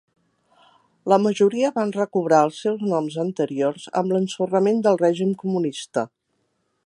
La majoria van recobrar els seus noms anteriors amb l'ensorrament del règim comunista.